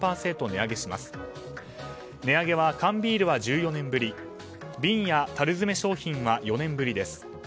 値上げは、缶ビールは１４年ぶり瓶やたる詰め商品は４年ぶりです。